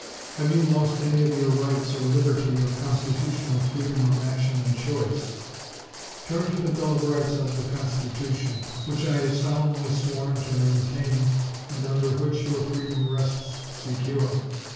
Have you lost any of your rights or liberty or constitutional freedom of action and choice? Turn to the Bill of Rights of the Constitution, which I have solemnly sworn to maintain and under which your freedom rests secure.